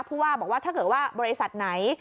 ผู้ว่าบอกว่าถ้าเกิดว่าบริษัทไหน